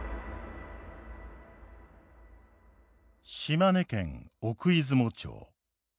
島根県奥出雲町。